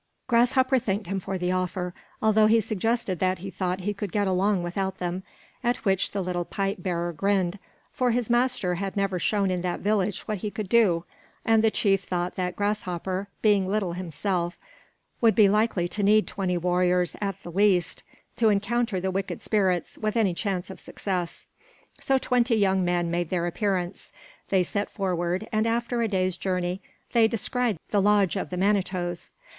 Grasshopper thanked him for the offer, although he suggested that he thought he could get along without them; at which the little pipe bearer grinned, for his master had never shown in that village what he could do, and the chief thought that Grasshopper, being little himself, would be likely to need twenty warriors, at the least, to encounter the wicked spirits with any chance of success. So twenty young men made their appearance. They set forward, and after about a day's journey they descried the lodge of the Manitoes.